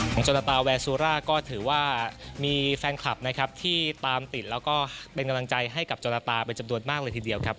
โจรตาแวร์ซูร่าก็ถือว่ามีแฟนคลับนะครับที่ตามติดแล้วก็เป็นกำลังใจให้กับโจรตาเป็นจำนวนมากเลยทีเดียวครับ